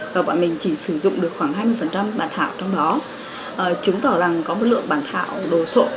và bọn mình chỉ sử dụng được khoảng hai mươi bàn thảo trong đó chứng tỏ rằng có một lượng bàn thảo đồ sộn